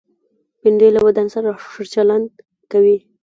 بېنډۍ له بدن سره ښه چلند کوي